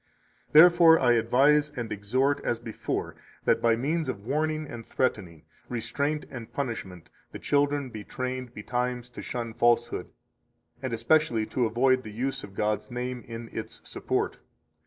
69 Therefore I advise and exhort as before that by means of warning and threatening, restraint and punishment, the children be trained betimes to shun falsehood, and especially to avoid the use of God's name in its support.